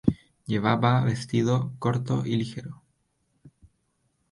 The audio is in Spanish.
Llevaba vestido corto y ligero.